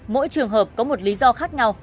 mỗi trường hợp có một lý do khác nhau